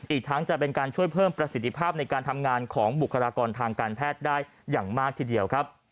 อีกทั้งจะเป็นการช่วยเพิ่มประสิทธิภาพในการทำงานของบุคลากรทางการแพทย์ได้อย่างมากทีเดียวครับ